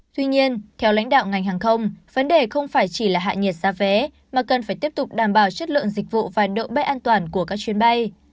tuy nhiên theo lãnh đạo ngành hàng không vấn đề không phải chỉ là hạ nhiệt giá vé mà cần phải tiếp tục đảm bảo chất lượng dịch vụ và độ bay an toàn của các chuyến bay